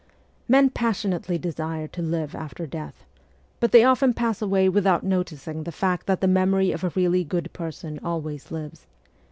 Men passionately desire to live after death, but they often pass away without noticing the fact that the memory of a really good person always lives.